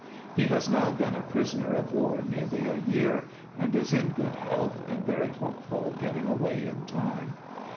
He has now been a prisoner of war nearly a year, and is in good health and very hopeful of getting away in time.